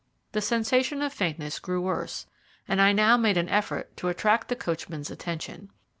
The sensation of faintness grew worse, and I now made an effort to attract the coachman's attention.